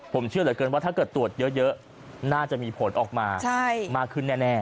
ผมเชื่อเหลือเกินว่าถ้าเกิดตรวจเยอะน่าจะมีผลออกมามากขึ้นแน่